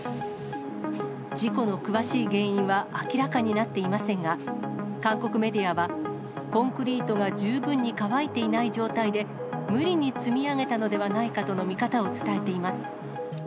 事故の詳しい原因は明らかになっていませんが、韓国メディアは、コンクリートが十分に乾いていない状態で、無理に積み上げたのではないかとの見方を伝えています。